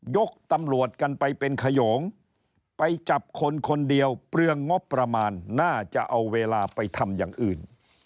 ตำรวจกันไปเป็นขยงไปจับคนคนเดียวเปลืองงบประมาณน่าจะเอาเวลาไปทำอย่างอื่น